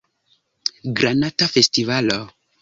Granata Festivalo